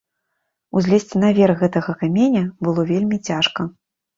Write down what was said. Узлезці на верх гэтага каменя было вельмі цяжка.